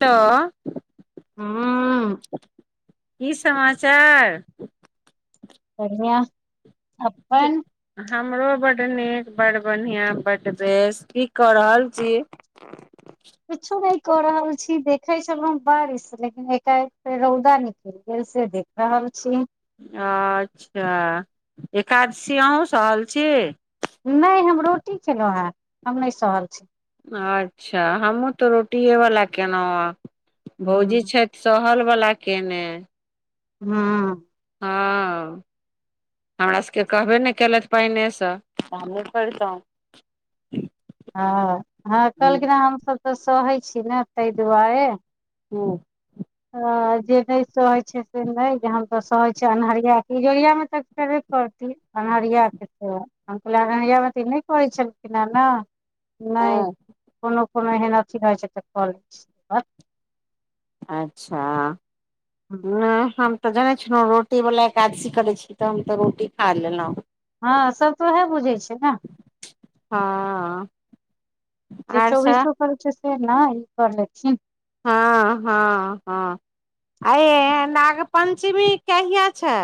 तऽ [inaudible] [unintelligible] [inaudible] की समाचार बढ़िया [inaudible] की अपन हमरो बड नीक बड बढ़िआँ बड देस की कऽ रहल छी कछो नहि कऽ रहल छी देखै छलहुँ बारिश लेकिन एकाए फेर रौदा निकलि गेल से देख रहल छी अच्छ एकादशी अहुँ सहल छी नहि हम रोटी खेलहुँ हे हम नहि सहल छी अच्छा हमहूँ तऽ रोटिए वला केलहुँ ह भौजी हँ छथि सहल वला केने। हँ। हँ। हमरा सभके कहबे नहि कयेलथि पानिएसँ त हमहूँ करितहुँ हँ ह कहलखिन हमसभ तऽ सहै छी ने ताहि दुआरे ह जे नहि सहै छै से नहि जेन तऽ सहै छै अन्हरिया के इजोरियामे तऽ खेबे करती। अन्हरियाके से हम कह अन्रियावाती नहि कहै छलखिन हे ने नहि हँ कोनो कोनो एहन अथी होइ छै तऽ कऽ लै छै। अच्छा नहि हम। तऽ जै छलहुँ रोटी बला एकादशी करै छी तऽ हम तऽ रोटी खा लेलहुँ। हँ सभ तऽ ओएह बुझै छै ने हँ। जे आर सब चौबीसो करै छै से नहि ई कर लेथिन। ह ह ह नाग पञ्चमी कहिआ छै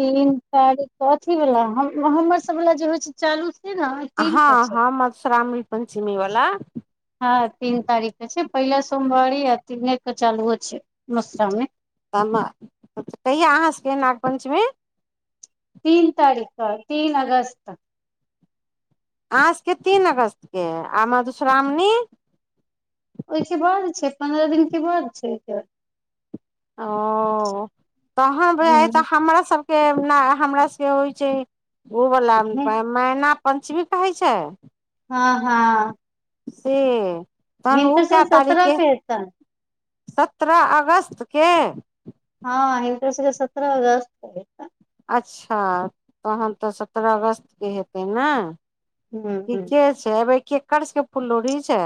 तीन तारीख अथी वला हमर सभ वला जे होइ छै चालू सिद्ध ह ह मधश्रामी पञ्चमी वलाा ह तीन तारखे छै पहिला सोमवारी आ तीने चालू छै मश्रावने तब कहिया अहाँ सभके नागपञ्चमे तीन तारीख तीन अगस्त। आज के ती अगस्तट के आ मधुश्रामणी ओहिके बाद छै पंह दिन के बाद छै ओकेाद ओ तहन तऽ हूँ हमरा सभ हमरा सभ होइ छै ओवला मैना पञ्चमी कहै छै। ह ह से तहन ओ सबके कै तारीख सत्रह के हेतनि सत्रह अगस्त के ह इटस सत्ररे अच्छा तहन तऽ सत्रह अगस्त के हेतै ने। हूँ हूँ ठीके छै एबे कड़ सभके पुललो छै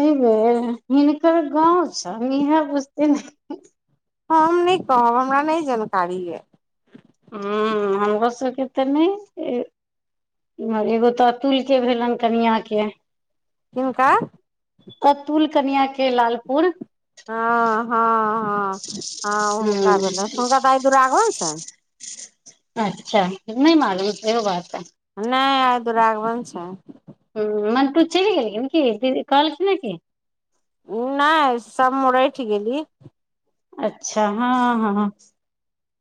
एहि बेर हिनकर गाव छै इह बुझती हम नहि कहब हमरा नहि जानकारी य हम घस कीत ने इमहर एगो तऽ अतुल के भेलनि कनिया के हिनका। कतुल कनिय के लालपुर हँ हँ हँ हूँ हुनका भेलनि हुनका दाय दुरागबै छनि अच्छा नहि मालूम छै बात नहि आइ दुरागमन छै। हू मन तू चल गेली कि दी कहल छै न कि नहि सोराठि गेललऽ अच्छा ह ह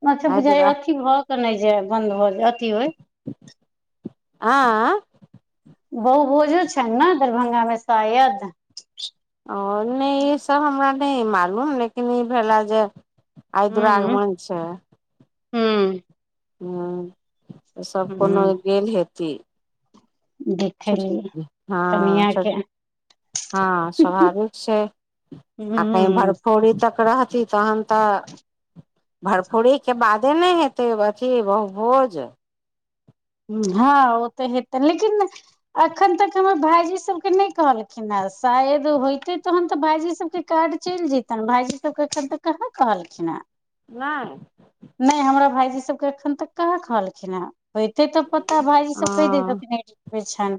माछ आइ बुझइ दुरा अथी भऽ के नहि जा बन्द भऽ जा अथी होय आ बहु बोझो छनि न दरभंगा मे शायद ओ नहि ई सभ हमरा नहि मालूम लेकिन ई भेलै जे आइ हूँ हूँ दुरागमन अच्छा। हूँ हैं सभ कोनो हूँ गेल हेती देखलियै कनिया के ह ह स्वभाविक छै आ कही हूँ भरफोरी तक रहती तहन त भरफूरीके बादे नहि हेतै अथी बहुभोज ह ओ तऽ हेते लेकिन अखन तक हमर भाईजी सभके नहि कहलखिन ह शायद होयते तहन तऽ भाईजी सभके कार्ड चलि जतनि भाईजी सभ एखन तऽ कहाँ कहलखिन ह नहि। नहि हमरा भाईजी सभके एखन तक कहाँ कहलखिन हे होइते तऽ पता भाजी सभ कहि दे हँ दे छनि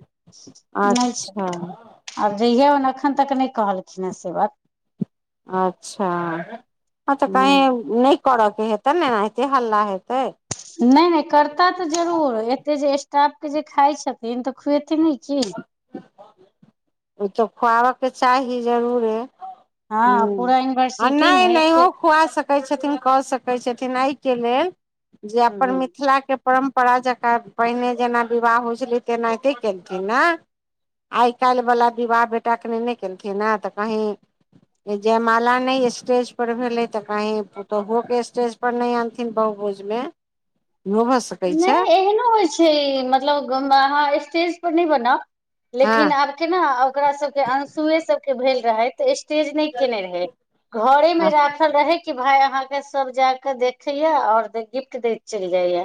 नहि छै अच्छा आब जहिये ओन एखन तक नहि कहलखिन हे से बात अच्छा ह तऽ क नहि करऽ के हेतै नेनाते हल्ला हेतै। नहि नहि करता तऽ जरूर एते जे स्टाफ के जे खाय छथिन तऽ खुएथिन कि ओ तऽ खुआबऽ के चाही जरूरे हूँ हँ पूरा आ यूनिवर्सिटी नहि मे ह नहियो खुआ सकैत छथिन कऽ सकैत छथिन एहिके लेलऽ जे अपन ह मिथिला के परम्परा जकाँ पहिने जेना विवाह होइ छलै तेना एते केलथिन ने आइ काल्हिवला विवाह बेटाकेने ने केलखिन हे तऽ कही जयमाला ने स्टेज पर भेले तऽ कही पुतोहु के स्टेज पर नहि आनथिन बहु भोज मे भऽ सकै छै नहि एहनो होइत छै मतलब अहा स्टेज पर नहि बनाब लेकिन हँ आब केना ओकरा सभके अंसुए सभके भेल रहै तऽ स्टेज नहि केने रहे घरे मे राखल रहे कि भाय अहाँकेँ सभ जाक देखेय और गिफ्ट दे चलि जाइया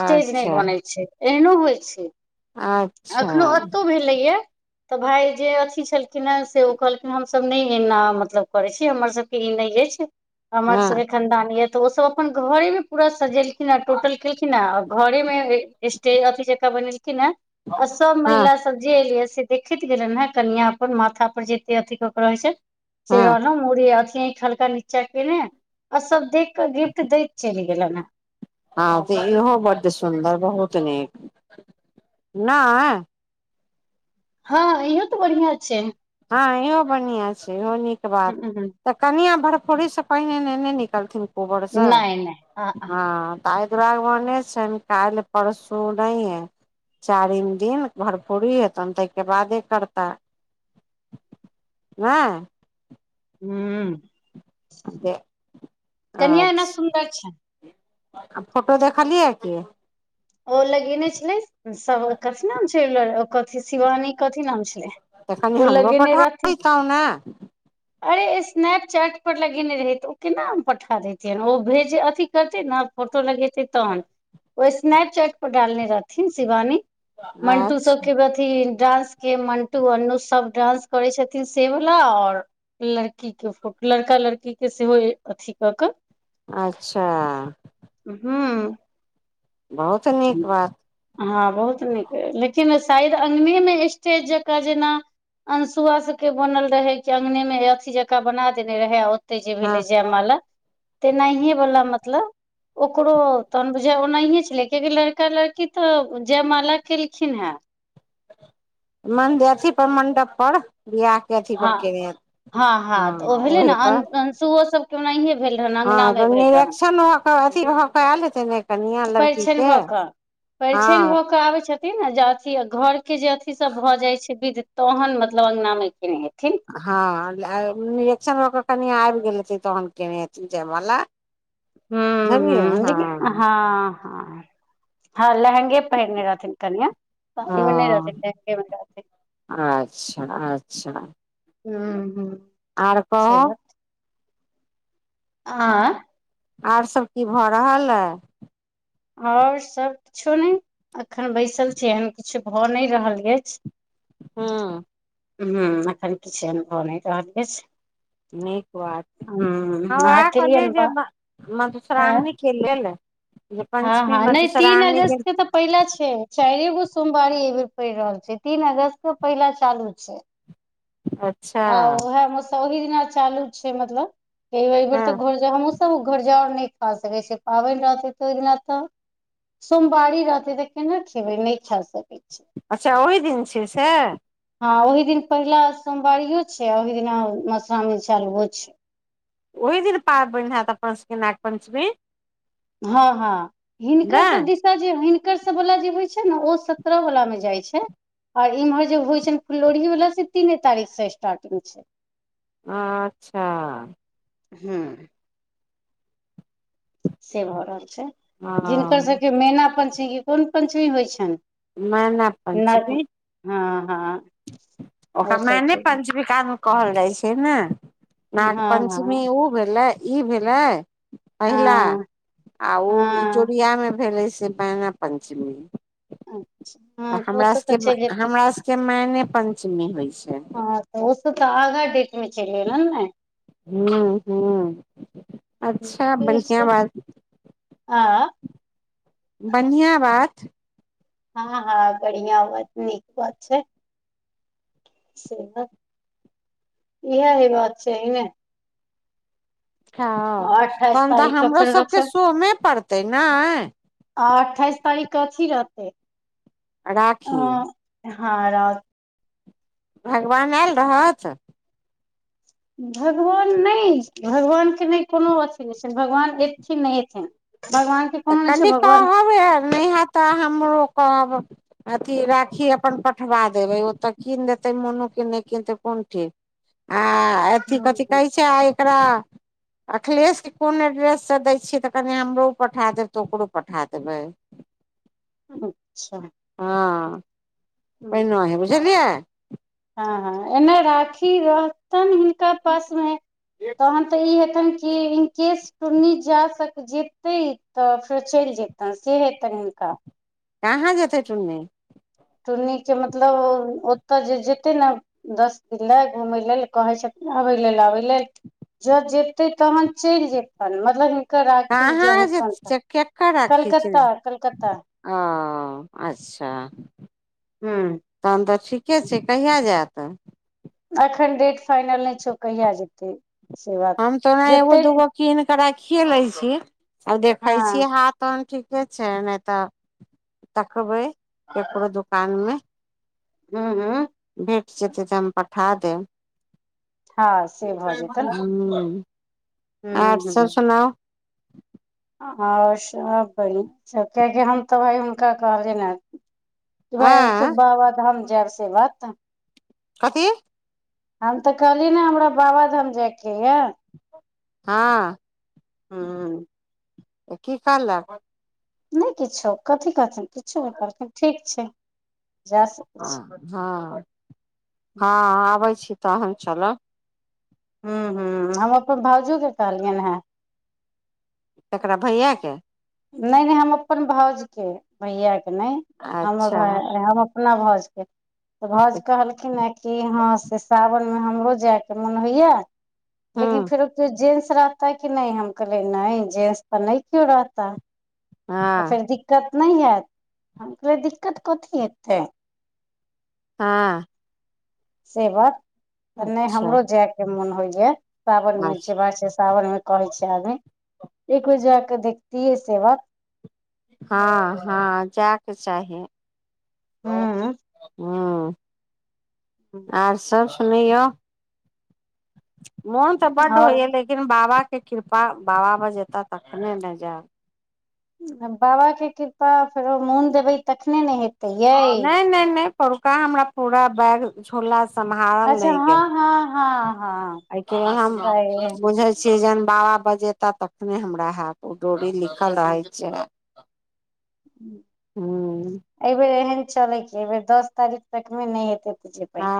स्टेज नहि बनै छै एहनो होइ छै। अच्छा एखनोहु एतहु भेलै य तऽ भाय जे अथी छलखिन ह से ओ कहलखिन हमसभ नहि एना मतलब करै छी हमर सभके ई नहि अछि हमर हँ सभके खानदान यए तऽ ओसभ अपन घरे मे पूरा सजेलखिन हे टोटल केलखिन हे घर मे स्टेज अथी जक बनेलखिन ह आ सभ हँ महिला सभ सभ जे एलियै से देखैत गेलन हे कनिया पर माथा पर जते अथी क के रहे छै से हँ रहलो मड़ी अथ हल्का नीच्चा के ने आ सभ देख के गिफ्ट दैत चलि गेलनि हे हँ तऽ इहो बड्ड सुन्दर बहुत नीक नहि हँ औ तऽ बढ़िआ छै ह इहो बढ़िआ छै इहो नीक बात हूँ हूँ तऽ कनिआ भरफोरीसँ पानि एनेने निकलथिन कोबरसँ नहि नहि आ ह ताहि दुरागमने छै काल्ल परसू नहि चारिम दिन भरपूरी हेतनि ताहिके बादे करताह ह हू कनिआ एना अच्छा सुन्दर छै आ फोटो देखालिय हैं कि ओ लगेने छलै सभ कथी नाम छल शिवानी कथी नाम छलै त कनि ओ हमरो लगेने रहथिन पठाितहु ने अरे स्नैपचैट पर लगेने रहै तऽ ओ केना हम पठा देतियै ओ भेज अथी करथि ने फोटो लगे छै तहन ओहि। स्नैप चैट पर डालने रहथिन शिवानी मंटू सभ अच्छा के डानंस के मन्टु अन्नु सभ डानंस करै छथिन सेवला आओर लड़की के फोट लड़का लड़की के सेहो अथी क कऽ अच्छा। हू बहुत नीक बात हँ बहुत नीक लेकिन शायद अंगनेमे स्टेज जकाँ जेना अनसुआ सभके बनल रहे कि अंगनेमे अथी जका बना देने रहे त जे हँ भेलल जेमा ते नहिये वाला मतलब ओकरो तहन बुझ ओ नहि छलेकिन कि लड़का लड़की त जयमाला केलखिन हे मन्दिरी पर मण्डप पर। बिआहके अथी पर हँ केने हँ ओही पर सुओ सभके ओनाहिये भेल रहन अँगना नहि भेल रहनि हा अथि भऽ कऽ एले हेते हँ खयले त परिछनि भऽ कऽ परिछनि हँ भ कऽ आबै छथिन जे अथि घर के जे अथी सभ भऽ जाय छै विध तहन मतलब अंगना मे केने हेथिन ह इजेक्शन कनि आबि गेले तोहन केने हेथि जाय माल [inaudible] हू हू देख हँ ह ह लहेगे पहिरने रहथिन कनिआ ओ पी म नहि रहत लनगे रहत अच्छा अच्छा हूं हूं आर से कह। आय आर सभ की भऽ रहल अइ आओर सभकिछो नहि एखन बैसल छी एहन किछु भऽ नहि रहल अछि। हू एखन किछु अनुभव नहि रहल अछि नीक बात हूं हँ अहाँ वएह कहलियै केलियैन जे बात मधुश्रावणी के लेलऽ ह ह नहि तीन जे अगस्त के तऽ पहिला छै चार एगो सोमवारी एहि बेर पड़ रहल छै तीन अगस्त के पहिला चालू छै। अच्छा। आ ओह हम सभ ओहि दिना चालू छै मतलब एहि बेर हँ तऽ घर हम सभ घर जाउर नहि खा सकै छै पाबनि रहतै तऽ ओहि दिना तऽ सोमवारी रहते तऽ केना खेबै नहि छड़ सकैत छै। अच्छा ओहि दिन छै से। हँ ओहि दिन पहिला सोमवारियो छै आ ओहि दिन मधुश्रावणी चालुओ छै ओहि दिन पाबनि होयत अपन सभके नागपञ्चमी। हँ हँ हिनकर नहि सभ दिस जे हिनकर सभ वाला जे होइ छै ने ओ सत्रह वला मे जाइ छै आऔर इम्हर जे होइ छ छै ने फुलोढ़ी वाला से तीने तारीख से स्टार्टिंग छै अच्छा। हूँ। से भऽ रहल छै जिनकर हँ सभके मैना पञ्चमी कोन पञ्चमी होइ छनि मैना पञ्चमी नहि हँ हँ। ओ ओकरा सब मैने चीज पञ्चविकामे कहल जाइ छै ने हँ नाग पञ्चमी हँ ओ भेलै ई भेले पहिला हँ हँ ओ इ हँ जोड़ियामे भेलै से मैना पञ्चमी अच्छा हँ तो सभ तऽ छै के मैने पंचमी होइ छै हँ तऽ ओस तऽ आगा टमे चल गेल ने ह ह अच्छा बढ़िआ बात आ बढ़िआ बात ह ह बदिआ बात नीक बात छै से इह बात छै ने ह अठाइस तहन तऽ तारीख के हमरो फेर रक्षा सभके सोमे पड़तै ने आ अठाइस तारीख कऽ अथी रहतै राखी। ह र भगवान आयल रहत भगवान नहि भगवानके नहि कोनो अथि नहि छनि भगवान एथिन नहि अथिन भगवान। के तऽ कोनो नहि छै कनि भगवान कहब आ नहि तऽ हमरो कहब अथी राखी अपन पठवा देबै ओत कीन देतै मोनूके नहि कीनतै कोन ठीक आ ह कथी कहे छै आ एकरा अखिलेशके कोन एड्रेससँ दै छियै त कनि हमरो पठा देबै त ओकरो पठा देबै अच्छा। हँ ओहि बुझलियै ह ह एना राखी रखतन नका पास मे तहन तऽ ई हेतन कि इनक केस। टुनी जा सक जेतै तऽ फेर चलि जेतनि से हेतनि हिनका। कहाँ जेतै तुनी टुनी के मतलब हो ओतऽ जे जेतै ने दस दिन लय घूमय लेल कहै छथिन आबय लेल आबय लेलऽ जेते तहन चलि जेतन मधर राखी हेतैन कहाँ त जे कलकत्ता कलकत्ता हा अच्छा हूँ। तहन त ठीके छै कहिया जायत एखन डेट फाइनल नहि छै। कहिया जेतै से बात हम तो ओना एगो जेतै तऽ- दूगो कीन के राखिए लै छी अ देखे हँ छीयै हाथ तहन ठीके छै नै तऽ देखबै ककरो दुकान मे उ उ भेट जेतै तऽ हम पठा देब। ह से भऽ जेतैन हूँ, आर सभ सुनाउ आओ सभ बरी जत जे हम तहलियैन हुनका कहलिय ने बुझैये इ सभ आँ बाबाधान जाइ चलत कथी। हम तऽ कहलि न हमरा बाबाधाम जायके यो हँ हूँ कि कहलक नहि किछो कथी करथिन किछो नहि कहलकैन ठीक छै ज सकै छी। ह, ह आबै छी तहन चलब हूँ हूँ हम अपन भाईजी के कहलियनि हे एकरा भैया के नै नै हम अपन भाउज के भैयाके नै हम अच्छा भाय हम अपना भावज के तऽ भौउज कहलखिन हे कि हँ से सावनमे हमरो जायके मोन होइए लेकिन हूँ फेरो कियो जेस रहता कि नै हम कहलियै नहि जेस तऽ नहि क्यो रहता तऽ हँ फेर दिक्कत नहि हायत हम कऽ दिक्कत कथी हेतै हँ। से बात नै से अच्छा हमरो जाय के मोन होइया सावन मे अच्छा जेबा छै सावन मे। कहै छै आगे एक बेर जाकऽ देखतियै सेभऽ ह ह जायके चाही हूँ हुँ। ह। आर सभ सुनैयो, मोन तऽ बड आओर होइय लेक बाबा के कृपा बाबा बजेता तखने ने जाय ह बाबा के कृपा मोन देबै तखने ने हेतै यै नहि नै नै पोरका हमरा पूरा बैग झूला सम्हारल अच्छा नहि हँ गेल, हँ हँ हँ एहि के हम सही बुझै जन बाबा बजेता तखने हमरा हैयत ओ डोरी लिखल रहै छै। हूँ एहि बेर एहन चलै कि दस तारीख तकमे नहि हेतै [unintelligible]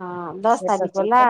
ह दस से तारीख कऽ सोचैत ने